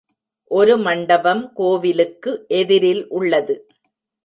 ஒரு மண்டபம் கோவிலுக்கு எதிரில் உள்ளது.